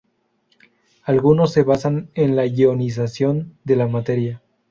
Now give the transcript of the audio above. Algunos se basan en la ionización de la materia.